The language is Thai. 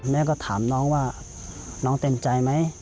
แม่ก็ถามน้องว่าน้องเต็มใจไหม